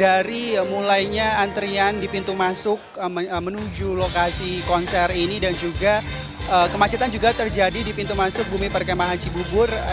dari mulainya antrian di pintu masuk menuju lokasi konser ini dan juga kemacetan juga terjadi di pintu masuk bumi perkembangan cibubur